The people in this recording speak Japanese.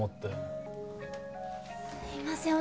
すみません